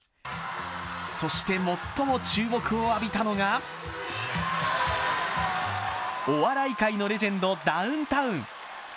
そして最も注目を浴びたのがお笑い界のレジェンドダウンタウン。